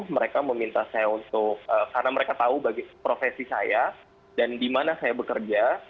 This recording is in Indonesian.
mereka meminta saya untuk karena mereka tahu profesi saya dan di mana saya bekerja